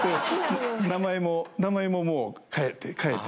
名前も名前ももう変えて変えて。